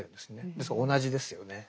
ですから同じですよね。